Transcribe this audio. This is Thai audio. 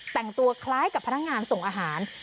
แต่งตัวคล้ายกับพนักงานส่งอาหาร